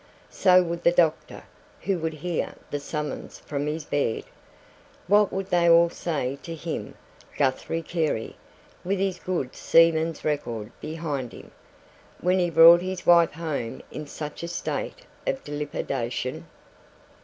So would the doctor, who would hear the summons from his bed. What would they all say to him, Guthrie Carey, with his good seaman's record behind him, when he brought his wife home in such a state of dilapidation?